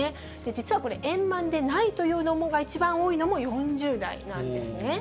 実はこれ、円満でないというのが一番多いのも４０代なんですね。